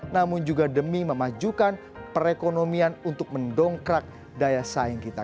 namun juga demi memajukan perekonomian untuk mendongkrak daya saing kita